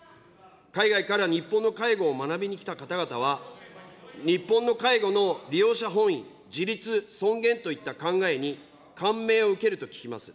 海外から日本の介護を学びに来た方々は、日本の介護の利用者本位、自立、尊厳といった考えに感銘を受けると聞きます。